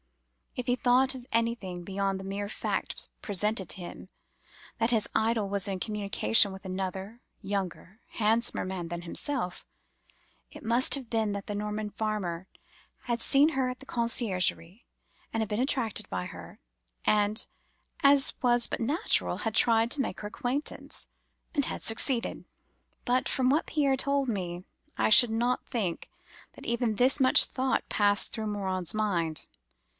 If he thought of anything beyond the mere fact presented to him, that his idol was in communication with another, younger, handsomer man than himself, it must have been that the Norman farmer had seen her at the conciergerie, and had been attracted by her, and, as was but natural, had tried to make her acquaintance, and had succeeded. But, from what Pierre told me, I should not think that even this much thought passed through Morin's mind.